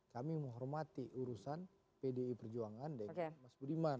kami menghormati urusan pdi perjuangan dengan mas budiman